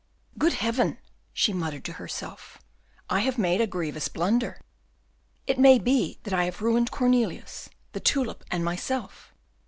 "Good Heaven!" she muttered to herself, "I have made a grievous blunder; it may be I have ruined Cornelius, the tulip, and myself.